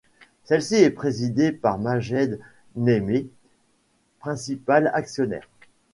Celle-ci est présidée par Majed Nehmé, principal actionnaire.